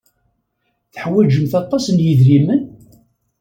Teḥwajemt aṭas n yidrimen?